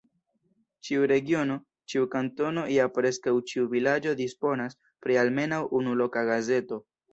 Ĉiu regiono, ĉiu kantono ja preskaŭ ĉiu vilaĝo disponas pri almenaŭ unu loka gazeto.